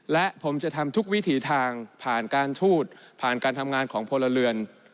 และผมจะทำทุกวิถีทางผ่านการทูตผ่านการทำงานของพลเรือน